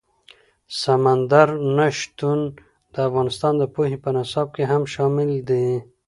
سمندر نه شتون د افغانستان د پوهنې په نصاب کې هم شامل دي.